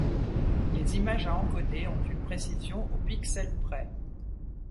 Les images à encoder ont une précision au pixel près.